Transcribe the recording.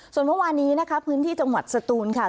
ส่วนเมื่อวานนี้นะคะพื้นที่จังหวัดสตูนค่ะ